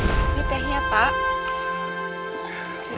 aku akan menemukanmu